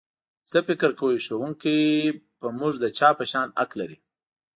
څه فکر کوئ ښوونکی په موږ د چا په شان حق لري؟